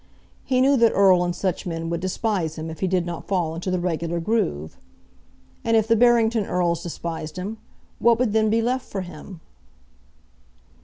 He knew that Erle and such men would despise him if he did not fall into the regular groove, and if the Barrington Erles despised him, what would then be left for him?